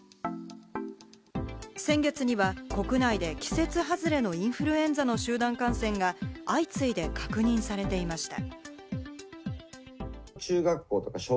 先月には国内で季節外れのインフルエンザの集団感染が相次いで確認されていました。